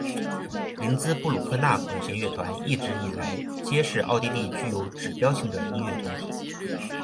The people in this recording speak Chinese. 林兹布鲁克纳管弦乐团一直以来皆是奥地利具有指标性的音乐团体。